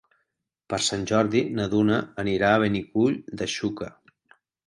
Per Sant Jordi na Duna anirà a Benicull de Xúquer.